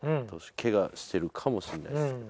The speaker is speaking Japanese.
ケガしてるかもしれないですけど。